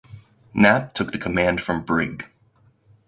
Knapp took the command from Brig.